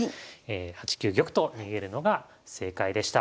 ８九玉と逃げるのが正解でした。